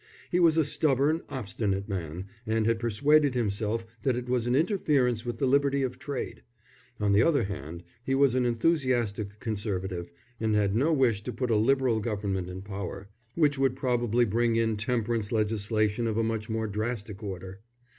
He was a stubborn, obstinate man, and had persuaded himself that it was an interference with the liberty of trade. On the other hand, he was an enthusiastic Conservative, and had no wish to put a Liberal Government in power, which would probably bring in temperance legislation of a much more drastic order.